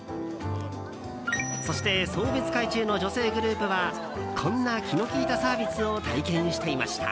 そして、送別会中の女性グループはこんな気の利いたサービスを体験していました。